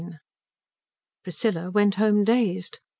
XIX Priscilla went home dazed.